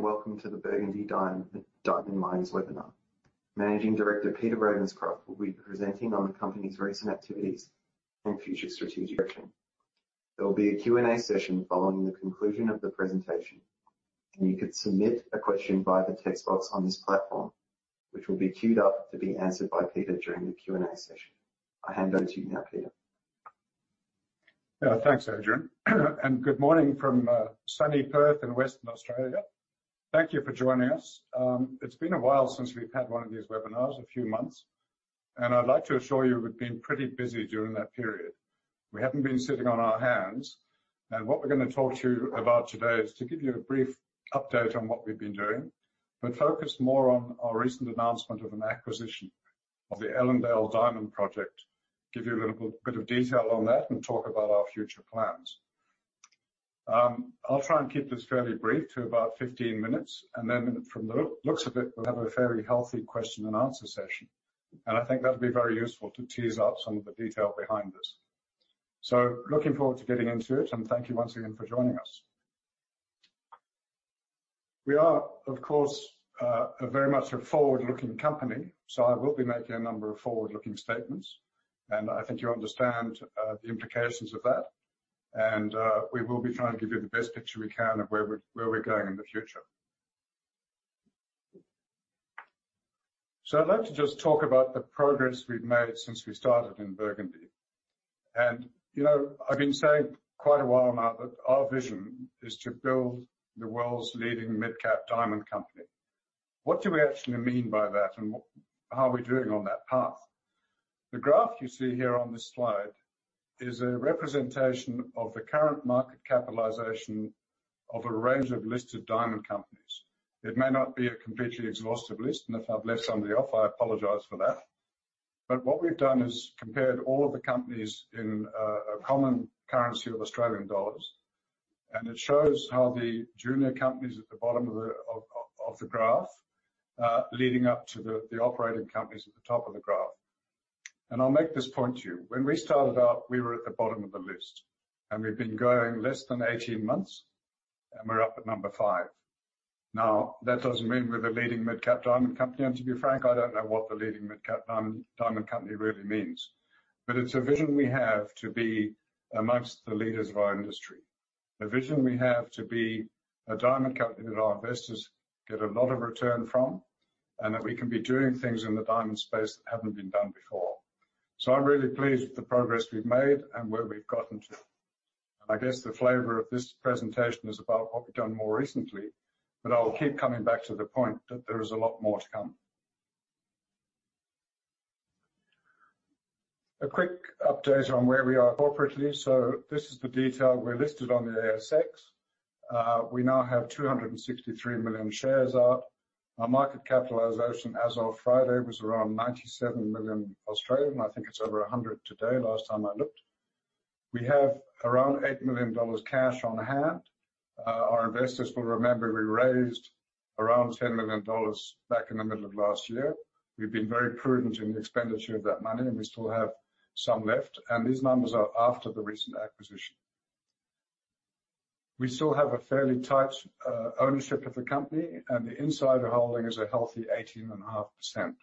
Hello, everyone, and welcome to the Burgundy Diamond Mines webinar. Managing Director, Peter Ravenscroft, will be presenting on the company's recent activities and future strategic direction. There will be a Q&A session following the conclusion of the presentation, and you can submit a question via the text box on this platform, which will be queued up to be answered by Peter during the Q&A session. I hand over to you now, Peter. Yeah, thanks, Adrian. Good morning from sunny Perth in Western Australia. Thank you for joining us. It's been a while since we've had one of these webinars, a few months, and I'd like to assure you we've been pretty busy during that period. We haven't been sitting on our hands, and what we're going to talk to you about today is to give you a brief update on what we've been doing, but focus more on our recent announcement of an acquisition of the Ellendale Diamond Project. Give you a little bit of detail on that and talk about our future plans. I'll try and keep this fairly brief to about 15 minutes, and then from the looks of it, we'll have a very healthy question and answer session. I think that'll be very useful to tease out some of the detail behind this. Looking forward to getting into it, and thank you once again for joining us. We are, of course, very much a forward-looking company, so I will be making a number of forward-looking statements, and I think you understand the implications of that. We will be trying to give you the best picture we can of where we're going in the future. I'd like to just talk about the progress we've made since we started in Burgundy. I've been saying for quite a while now that our vision is to build the world's leading mid-cap diamond company. What do we actually mean by that, and how are we doing on that path? The graph you see here on this slide is a representation of the current market capitalization of a range of listed diamond companies. It may not be a completely exhaustive list, and if I've left somebody off, I apologize for that. What we've done is compared all of the companies in a common currency of AUD, and it shows how the junior companies at the bottom of the graph leading up to the operating companies at the top of the graph. I'll make this point to you. When we started out, we were at the bottom of the list. We've been going less than 18 months, and we're up at number five. Now, that doesn't mean we're the leading mid-cap diamond company, and to be frank, I don't know what the leading mid-cap diamond company really means. It's a vision we have to be amongst the leaders of our industry. A vision we have to be a diamond company that our investors get a lot of return from, and that we can be doing things in the diamond space that haven't been done before. I'm really pleased with the progress we've made and where we've gotten to. I guess the flavor of this presentation is about what we've done more recently, but I'll keep coming back to the point that there is a lot more to come. A quick update on where we are corporately. This is the detail. We're listed on the ASX. We now have 263 million shares out. Our market capitalization as of Friday was around 97 million. I think it's over 100 today, last time I looked. We have around 8 million dollars cash on hand. Our investors will remember we raised around 10 million dollars back in the middle of last year. We've been very prudent in the expenditure of that money, we still have some left. These numbers are after the recent acquisition. We still have a fairly tight ownership of the company, and the insider holding is a healthy 18.5%.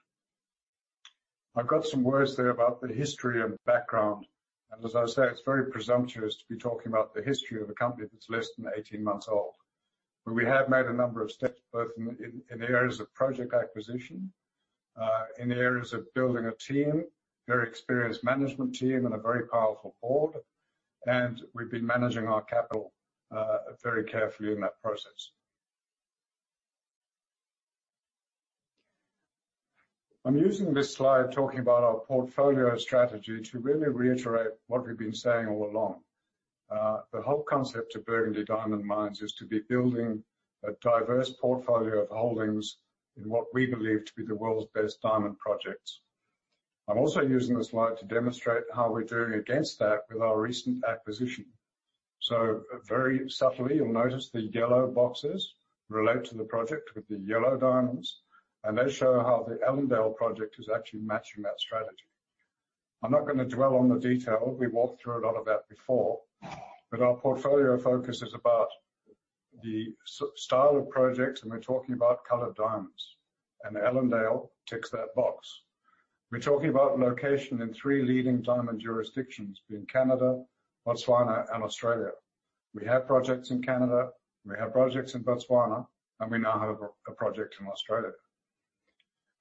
I've got some words there about the history and background, and as I say, it's very presumptuous to be talking about the history of a company that's less than 18 months old. We have made a number of steps, both in the areas of project acquisition, in the areas of building a team, very experienced management team, and a very powerful board, and we've been managing our capital very carefully in that process. I'm using this slide talking about our portfolio strategy to really reiterate what we've been saying all along. The whole concept of Burgundy Diamond Mines is to be building a diverse portfolio of holdings in what we believe to be the world's best diamond projects. I'm also using this slide to demonstrate how we're doing against that with our recent acquisition. Very subtly, you'll notice the yellow boxes relate to the project with the yellow diamonds, and they show how the Ellendale project is actually matching that strategy. I'm not going to dwell on the detail. We walked through a lot of that before, but our portfolio focus is about the style of projects, and we're talking about colored diamonds, and Ellendale ticks that box. We're talking about location in three leading diamond jurisdictions, being Canada, Botswana, and Australia. We have projects in Canada, we have projects in Botswana, and we now have a project in Australia.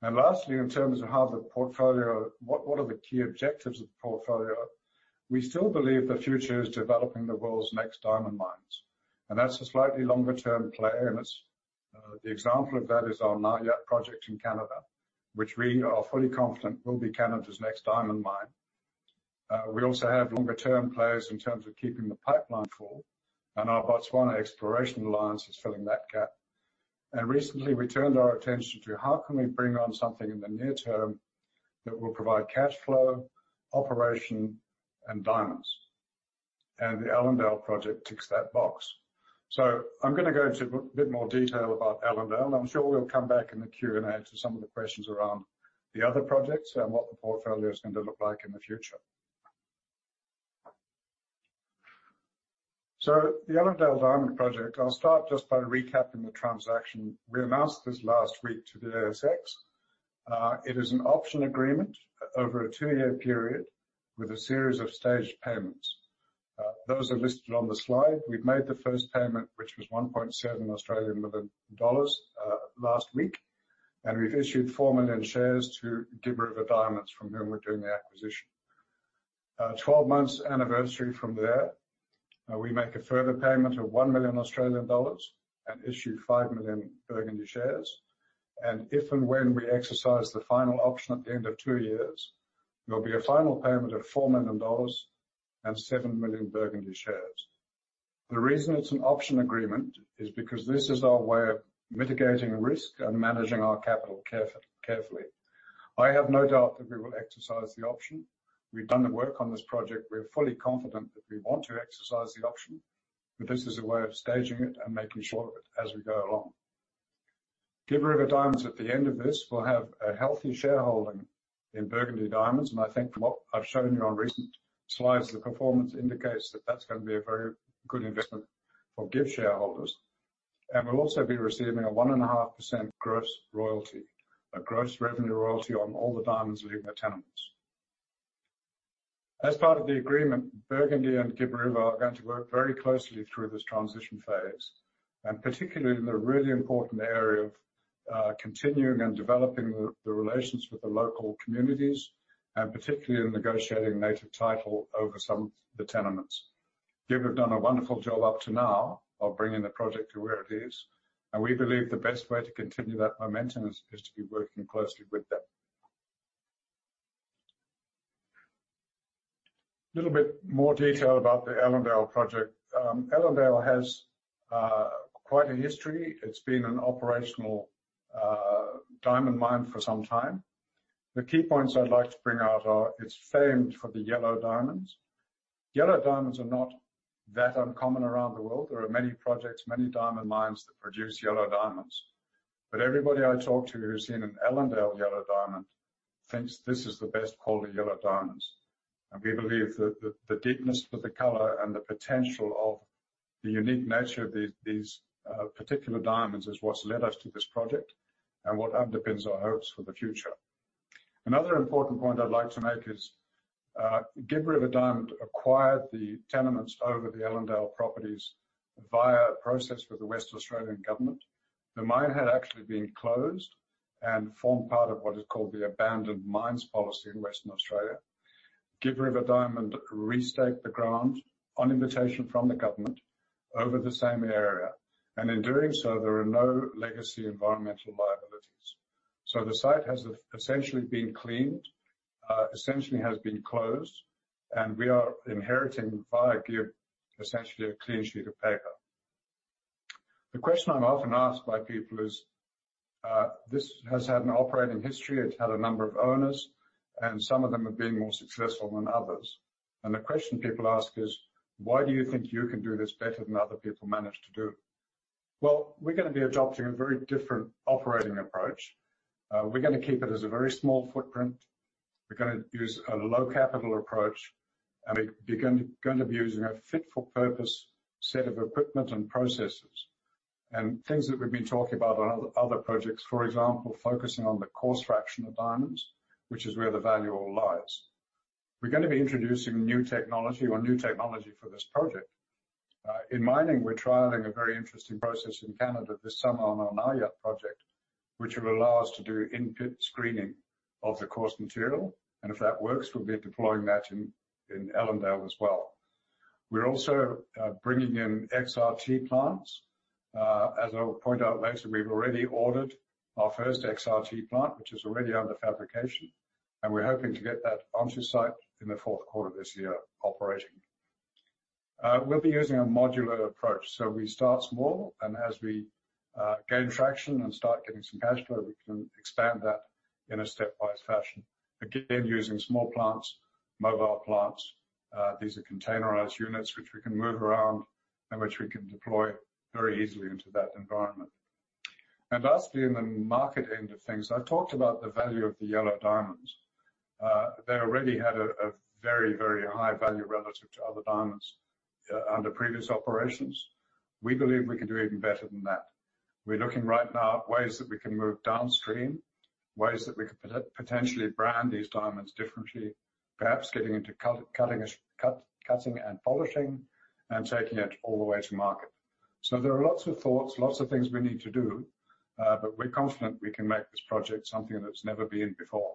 Lastly, in terms of what are the key objectives of the portfolio, we still believe the future is developing the world's next diamond mines. That's a slightly longer-term play, and the example of that is our Naujaat project in Canada, which we are fully confident will be Canada's next diamond mine. We also have longer-term plays in terms of keeping the pipeline full, and our Botswana exploration alliance is filling that gap. Recently, we turned our attention to how can we bring on something in the near term that will provide cash flow, operation, and diamonds? The Ellendale project ticks that box. I'm going to go into a bit more detail about Ellendale. I'm sure we'll come back in the Q&A to some of the questions around the other projects and what the portfolio is going to look like in the future. The Ellendale Diamond project, I'll start just by recapping the transaction we announced this last week to the ASX. It is an option agreement over a 2-year period with a series of staged payments. Those are listed on the slide. We've made the first payment, which was 1.7 million dollars last week, and we've issued 4 million shares to Gibb River Diamonds, from whom we're doing the acquisition. 12 months anniversary from there, we make a further payment of 1 million Australian dollars and issue 5 million Burgundy shares. If and when we exercise the final option at the end of 2 years, there'll be a final payment of 4 million dollars and 7 million Burgundy shares. The reason it's an option agreement is because this is our way of mitigating risk and managing our capital carefully. I have no doubt that we will exercise the option. We've done the work on this project. We're fully confident that we want to exercise the option, but this is a way of staging it and making sure of it as we go along. Gibb River Diamonds, at the end of this, will have a healthy shareholding in Burgundy Diamonds, and I think from what I've shown you on recent slides, the performance indicates that that's going to be a very good investment for Gibb shareholders. We'll also be receiving a 1.5% gross royalty, a gross revenue royalty on all the diamonds leaving the tenements. As part of the agreement, Burgundy and Gibb River are going to work very closely through this transition phase, and particularly in the really important area of continuing and developing the relations with the local communities, and particularly in negotiating native title over some of the tenements. Gibb have done a wonderful job up to now of bringing the project to where it is, and we believe the best way to continue that momentum is to be working closely with them. Little bit more detail about the Ellendale Project. Ellendale has quite a history. It's been an operational diamond mine for some time. The key points I'd like to bring out are it's famed for the yellow diamonds. Yellow diamonds are not that uncommon around the world. There are many projects, many diamond mines that produce yellow diamonds. Everybody I talk to who's seen an Ellendale yellow diamond thinks this is the best quality yellow diamonds. We believe that the deepness of the color and the potential of the unique nature of these particular diamonds is what's led us to this project and what underpins our hopes for the future. Another important point I'd like to make is, Gibb River Diamonds acquired the tenements over the Ellendale properties via a process with the Western Australian Government. The mine had actually been closed and formed part of what is called the Abandoned Mines Policy in Western Australia. Gibb River Diamonds restaked the ground on invitation from the government over the same area, and in doing so, there are no legacy environmental liabilities. The site has essentially been cleaned, essentially has been closed, and we are inheriting, via Gibb, essentially a clean sheet of paper. The question I'm often asked by people is, this has had an operating history, it's had a number of owners, and some of them have been more successful than others. The question people ask is, "Why do you think you can do this better than other people managed to do?" Well, we're going to be adopting a very different operating approach. We're going to keep it as a very small footprint. We're going to use a low-capital approach, and we're going to be using a fit-for-purpose set of equipment and processes. Things that we've been talking about on other projects, for example, focusing on the coarse fraction of diamonds, which is where the value all lies. We're going to be introducing new technology for this project. In mining, we're trialing a very interesting process in Canada this summer on our Naujaat project, which will allow us to do in-pit screening of the coarse material. If that works, we'll be deploying that in Ellendale as well. We're also bringing in XRT plants. As I will point out later, we've already ordered our first XRT plant, which is already under fabrication, and we're hoping to get that onto site in the fourth quarter of this year operating. We'll be using a modular approach. We start small, and as we gain traction and start getting some cash flow, we can expand that in a stepwise fashion. Again, using small plants, mobile plants. These are containerized units which we can move around and which we can deploy very easily into that environment. Lastly, in the market end of things, I've talked about the value of the yellow diamonds. They already had a very high value relative to other diamonds under previous operations. We believe we can do even better than that. We're looking right now at ways that we can move downstream, ways that we could potentially brand these diamonds differently, perhaps getting into cutting and polishing and taking it all the way to market. There are lots of thoughts, lots of things we need to do, but we're confident we can make this project something that's never been before.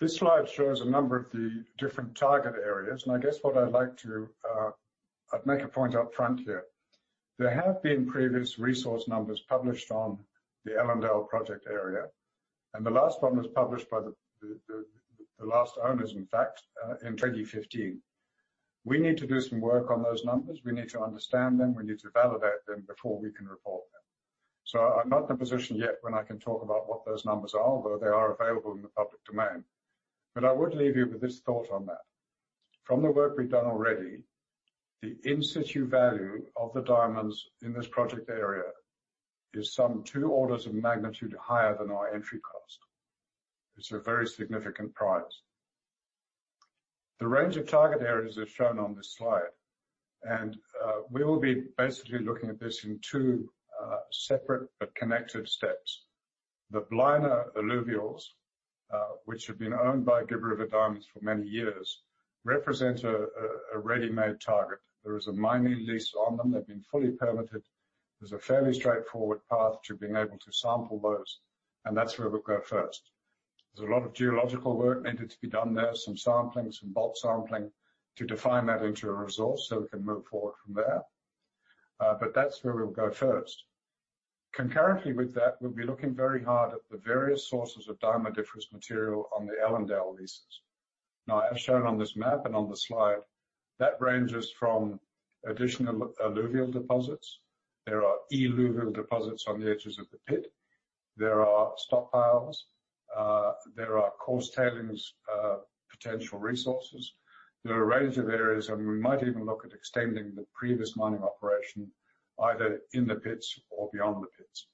This slide shows a number of the different target areas, and I guess what I'd like to make a point up front here. There have been previous resource numbers published on the Ellendale project area. The last one was published by the last owners, in fact, in 2015. We need to do some work on those numbers. We need to understand them. We need to validate them before we can report them. I'm not in a position yet when I can talk about what those numbers are, although they are available in the public domain. I would leave you with this thought on that. From the work we've done already, the in-situ value of the diamonds in this project area is some two orders of magnitude higher than our entry cost. It's a very significant prize. The range of target areas are shown on this slide, and we will be basically looking at this in two separate but connected steps. The Blina alluvials, which have been owned by Gibb River Diamonds for many years, represent a ready-made target. There is a mining lease on them. They've been fully permitted. There's a fairly straightforward path to being able to sample those, and that's where we'll go first. There's a lot of geological work needed to be done there, some sampling, some bulk sampling, to define that into a resource, so we can move forward from there. That's where we'll go first. Concurrently with that, we'll be looking very hard at the various sources of diamondiferous material on the Ellendale leases. As shown on this map and on the slide, that ranges from additional alluvial deposits. There are eluvial deposits on the edges of the pit. There are stockpiles. There are coarse tailings potential resources. There are a range of areas, and we might even look at extending the previous mining operation, either in the pits or beyond the pits.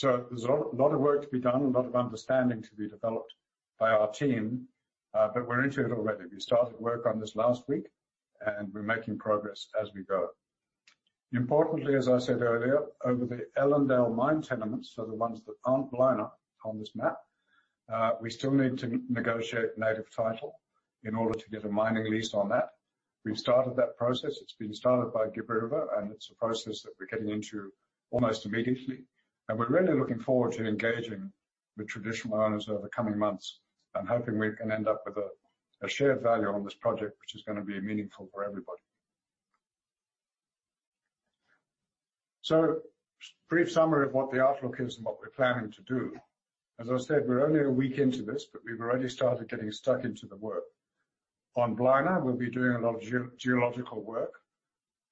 There's a lot of work to be done, a lot of understanding to be developed by our team, but we're into it already. We started work on this last week, and we're making progress as we go. Importantly, as I said earlier, over the Ellendale mine tenements are the ones that aren't Blina on this map. We still need to negotiate Native Title in order to get a mining lease on that. We've started that process. It's been started by Gibb River, and it's a process that we're getting into almost immediately, and we're really looking forward to engaging with traditional owners over the coming months and hoping we can end up with a shared value on this project, which is going to be meaningful for everybody. Brief summary of what the outlook is and what we're planning to do. As I said, we're only a week into this, we've already started getting stuck into the work. On Blina, we'll be doing a lot of geological work.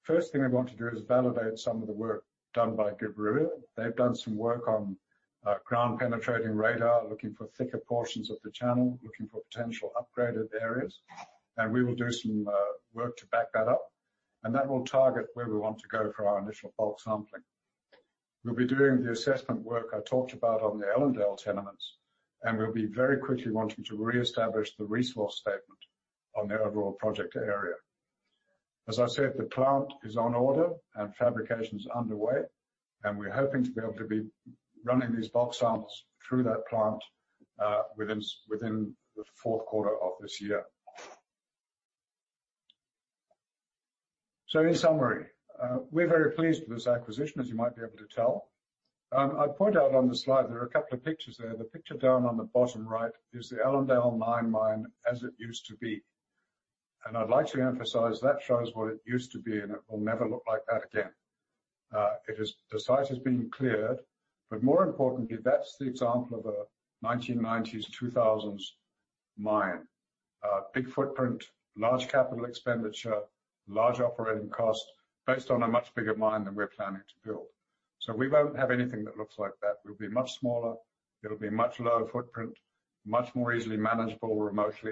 First thing we want to do is validate some of the work done by Gibb River. They've done some work on ground-penetrating radar, looking for thicker portions of the channel, looking for potential upgraded areas, we will do some work to back that up, that will target where we want to go for our initial bulk sampling. We'll be doing the assessment work I talked about on the Ellendale tenements, we'll be very quickly wanting to reestablish the resource statement on the overall project area. As I said, the plant is on order, fabrication is underway, we're hoping to be able to be running these bulk samples through that plant within the fourth quarter of this year. In summary, we're very pleased with this acquisition, as you might be able to tell. I point out on the slide, there are a couple of pictures there. The picture down on the bottom right is the Ellendale mine as it used to be. I'd like to emphasize that shows what it used to be, and it will never look like that again. The site has been cleared. More importantly, that's the example of a 1990s, 2000s mine. Big footprint, large capital expenditure, large operating cost, based on a much bigger mine than we're planning to build. We won't have anything that looks like that. It'll be much smaller, it'll be much lower footprint, much more easily manageable remotely,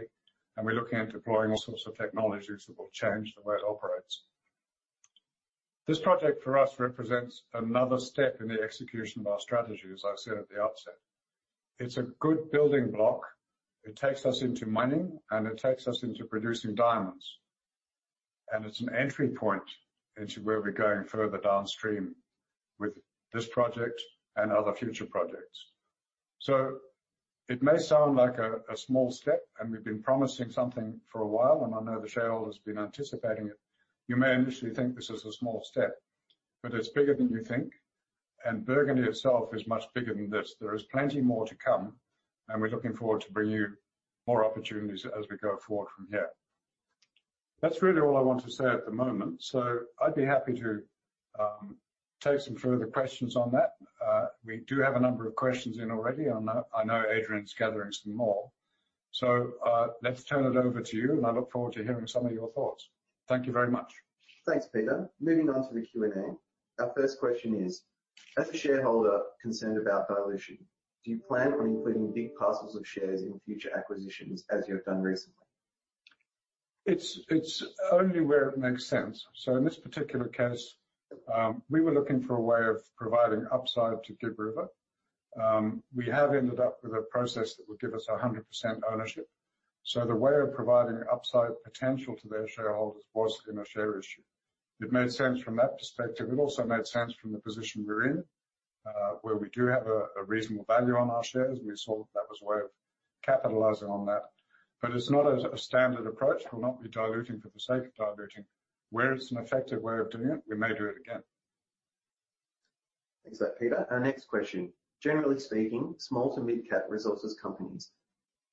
and we're looking at deploying all sorts of technologies that will change the way it operates. This project for us represents another step in the execution of our strategy, as I said at the outset. It's a good building block. It takes us into mining, and it takes us into producing diamonds. It's an entry point into where we're going further downstream with this project and other future projects. It may sound like a small step, and we've been promising something for a while, and I know the shareholder's been anticipating it. You may initially think this is a small step, but it's bigger than you think, and Burgundy itself is much bigger than this. There is plenty more to come, and we're looking forward to bringing you more opportunities as we go forward from here. That's really all I want to say at the moment, so I'd be happy to take some further questions on that. We do have a number of questions in already. I know Adrian's gathering some more. Let's turn it over to you, and I look forward to hearing some of your thoughts. Thank you very much. Thanks, Peter. Moving on to the Q&A. Our first question is, "As a shareholder concerned about dilution, do you plan on including big parcels of shares in future acquisitions as you have done recently? It's only where it makes sense. In this particular case, we were looking for a way of providing upside to Gibb River. We have ended up with a process that would give us 100% ownership. The way of providing upside potential to their shareholders was in a share issue. It made sense from that perspective. It also made sense from the position we're in, where we do have a reasonable value on our shares, and we saw that that was a way of capitalizing on that. It's not a standard approach. We'll not be diluting for the sake of diluting. Where it's an effective way of doing it, we may do it again. Thanks for that, Peter. Our next question. "Generally speaking, small to mid-cap resources companies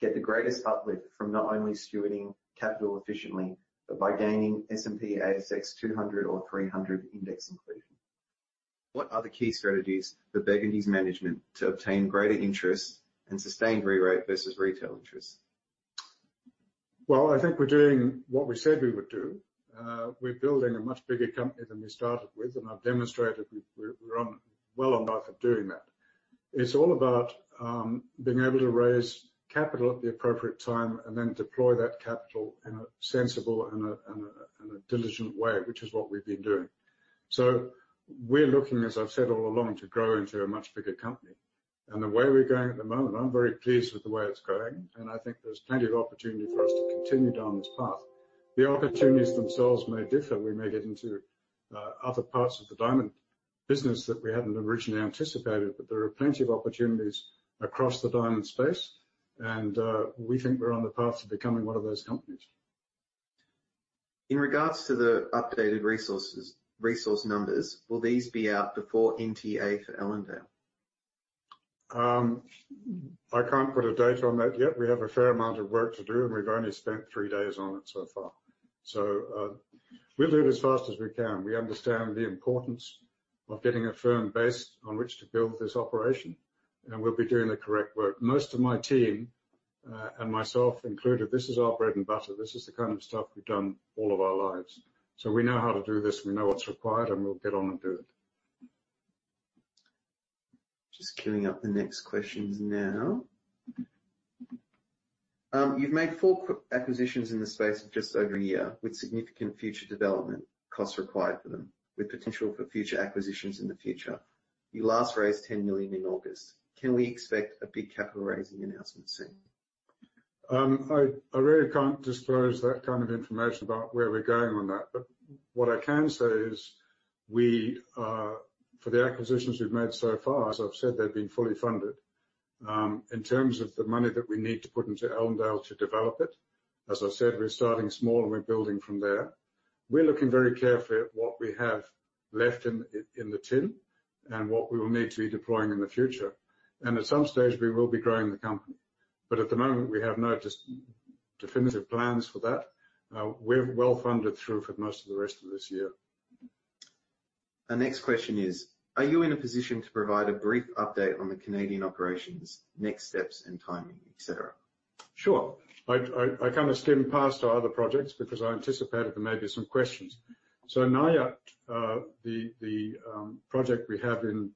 get the greatest uplift from not only stewarding capital efficiently but by gaining S&P/ASX 200 or 300 index inclusion. What are the key strategies for Burgundy's management to obtain greater interest and sustained rerate versus retail interest? Well, I think we're doing what we said we would do. We're building a much bigger company than we started with, and I've demonstrated we're well on the path of doing that. It's all about being able to raise capital at the appropriate time and then deploy that capital in a sensible and a diligent way, which is what we've been doing. We're looking, as I've said all along, to grow into a much bigger company. The way we're going at the moment, I'm very pleased with the way it's going, and I think there's plenty of opportunity for us to continue down this path. The opportunities themselves may differ. We may get into other parts of the diamond business that we hadn't originally anticipated, but there are plenty of opportunities across the diamond space. We think we're on the path to becoming one of those companies. In regards to the updated resource numbers, will these be out before NTA for Ellendale? I can't put a date on that yet. We have a fair amount of work to do, and we've only spent three days on it so far. We'll do it as fast as we can. We understand the importance of getting a firm base on which to build this operation, and we'll be doing the correct work. Most of my team, and myself included, this is our bread and butter. This is the kind of stuff we've done all of our lives. We know how to do this, we know what's required, and we'll get on and do it. Just queuing up the next questions now. You've made four acquisitions in the space of just over a year with significant future development costs required for them, with potential for future acquisitions in the future. You last raised 10 million in August. Can we expect a big capital raising announcement soon? I really can't disclose that kind of information about where we're going on that. What I can say is, for the acquisitions we've made so far, as I've said, they've been fully funded. In terms of the money that we need to put into Ellendale to develop it, as I said, we're starting small and we're building from there. We're looking very carefully at what we have left in the tin and what we will need to be deploying in the future. At some stage, we will be growing the company. At the moment, we have no definitive plans for that. We're well-funded through for most of the rest of this year. The next question is: Are you in a position to provide a brief update on the Canadian operations, next steps and timing, et cetera? Sure. I kind of skimmed past our other projects because I anticipated there may be some questions. Naujaat, the project we have in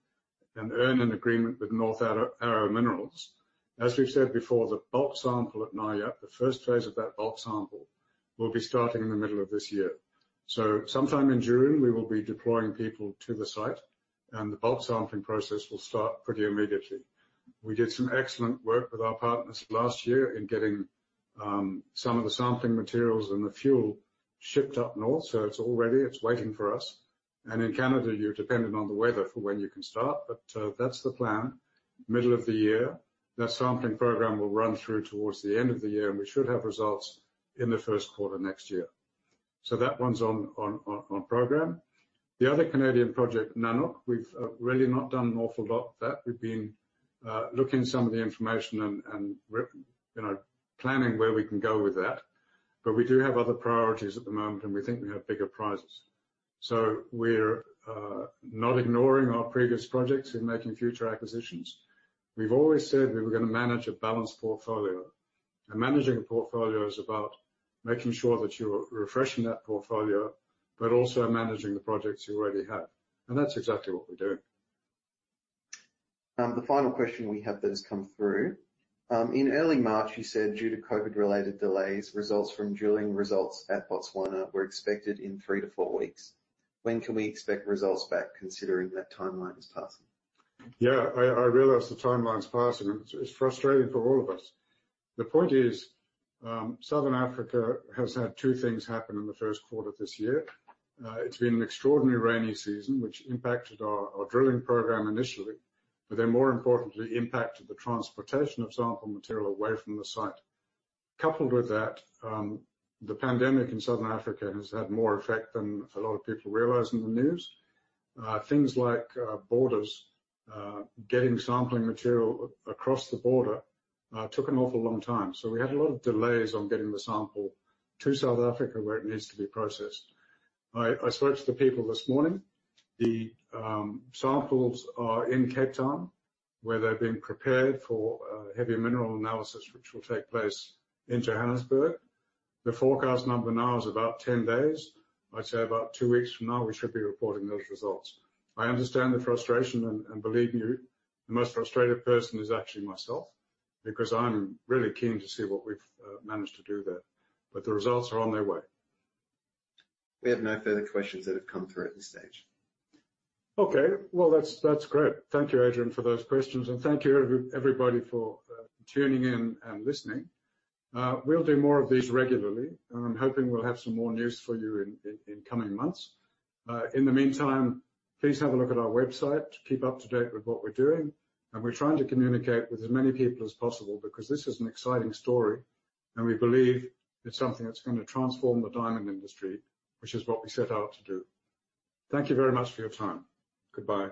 an earn-in agreement with North Arrow Minerals. As we've said before, the bulk sample at Naujaat, the first phase of that bulk sample, will be starting in the middle of this year. Sometime in June, we will be deploying people to the site, and the bulk sampling process will start pretty immediately. We did some excellent work with our partners last year in getting some of the sampling materials and the fuel shipped up north. It's all ready. It's waiting for us. In Canada, you're dependent on the weather for when you can start. That's the plan, middle of the year. That sampling program will run through towards the end of the year, and we should have results in the first quarter next year. That one's on program. The other Canadian project, Nanuk, we've really not done an awful lot with that. We've been looking at some of the information and planning where we can go with that. We do have other priorities at the moment, and we think we have bigger prizes. We're not ignoring our previous projects in making future acquisitions. We've always said we were going to manage a balanced portfolio. Managing a portfolio is about making sure that you're refreshing that portfolio, but also managing the projects you already have. That's exactly what we're doing. The final question we have that has come through. In early March, you said due to COVID-related delays, results from drilling results at Botswana were expected in 3-4 weeks. When can we expect results back considering that timeline is passing? Yeah. I realize the timeline's passing. It's frustrating for all of us. The point is, Southern Africa has had two things happen in the first quarter this year. It's been an extraordinarily rainy season, which impacted our drilling program initially, but then more importantly, impacted the transportation of sample material away from the site. Coupled with that, the pandemic in Southern Africa has had more effect than a lot of people realize in the news, things like borders. Getting sampling material across the border took an awful long time. We had a lot of delays on getting the sample to South Africa where it needs to be processed. I spoke to the people this morning. The samples are in Cape Town where they're being prepared for heavy mineral analysis, which will take place in Johannesburg. The forecast number now is about 10 days. I'd say about two weeks from now, we should be reporting those results. I understand the frustration, and believe you, the most frustrated person is actually myself because I'm really keen to see what we've managed to do there. The results are on their way. We have no further questions that have come through at this stage. Okay. Well, that's great. Thank you, Adrian, for those questions. Thank you everybody for tuning in and listening. We'll do more of these regularly. I'm hoping we'll have some more news for you in coming months. In the meantime, please have a look at our website to keep up to date with what we're doing. We're trying to communicate with as many people as possible because this is an exciting story, and we believe it's something that's going to transform the diamond industry, which is what we set out to do. Thank you very much for your time. Goodbye now.